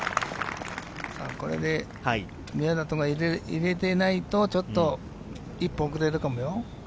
これで宮里が入れないと、ちょっと一歩遅れるかもよ。